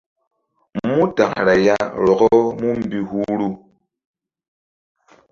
Mu takra ya rɔkɔ mú mbi huhru.